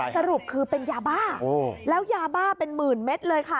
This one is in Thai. สรุปคือเป็นยาบ้าแล้วยาบ้าเป็นหมื่นเม็ดเลยค่ะ